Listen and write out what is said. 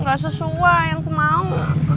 gak sesuai yang aku mau